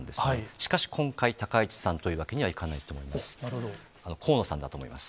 しかし、今回、高市さんというわけにはいかないと思います。